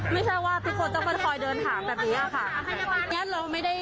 ไม่ใช่ว่าทุกคนจะค่อยเดินถามแบบนี้ค่ะ